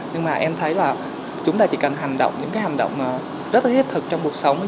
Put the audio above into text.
nhưng mà em thấy là chúng ta chỉ cần hành động những cái hành động rất là thiết thực trong cuộc sống